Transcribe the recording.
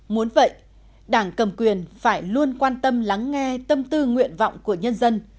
muốn vậy đảng cầm quyền phải luôn quan tâm lắng nghe tâm tư nguyện vọng của nhân dân